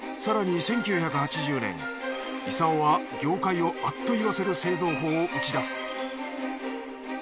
更に１９８０年功は業界をあっと言わせる製造法を打ち出す。